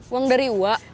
uang dari wak